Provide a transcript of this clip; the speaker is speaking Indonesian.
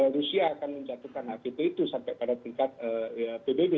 rusia akan menjatuhkan avt itu sampai pada tingkat pbb